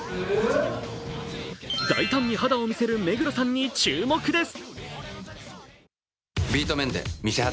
大胆に肌を見せる目黒さんに注目です。